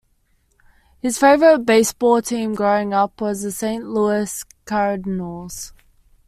His favorite baseball team growing up was the Saint Louis Cardinals.